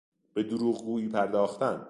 به دروغگویی پرداختن